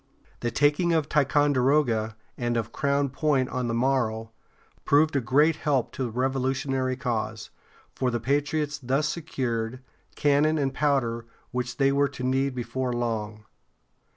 The taking of Ticonderoga, and of Crown Point on the morrow, proved a great help to the Revolutionary cause, for the patriots thus secured, cannon and powder which they were to need before long.